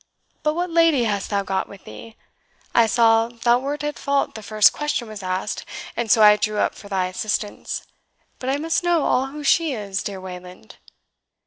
But what lady hast thou got with thee? I saw thou wert at fault the first question was asked, and so I drew up for thy assistance. But I must know all who she is, dear Wayland."